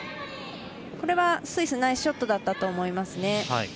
これはスイスナイスショットだったと思いますね。